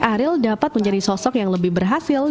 ariel dapat menjadi sosok yang lebih berhasil